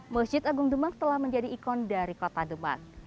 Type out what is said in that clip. masjid agung demak telah menjadi ikon dari kota demak